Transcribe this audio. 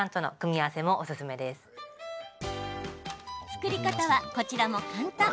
作り方は、こちらも簡単。